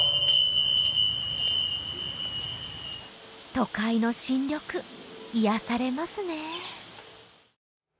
都会の新緑、癒やされますね。